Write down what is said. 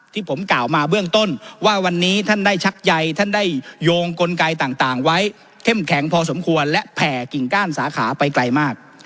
ที่ผมกล่าวมาเบื้องต้นว่าวันนี้ท่านได้ชักใยท่านได้โยงกลไกต่างไว้เข้มแข็งพอสมควรและแผ่กิ่งก้านสาขาไปไกลมาก